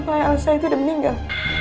kelayak ilsa itu udah meninggal